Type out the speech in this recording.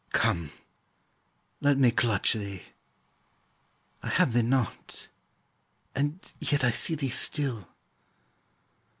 Come, let me clutch thee: I have thee not, and yet I see thee still.